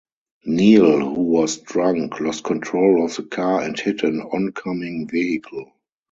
Neil, who was drunk, lost control of the car and hit an oncoming vehicle.